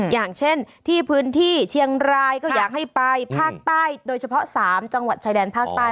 อย่างเช่นที่พื้นที่เชียงรายก็อยากให้ไปภาคใต้โดยเฉพาะ๓จังหวัดชายแดนภาคใต้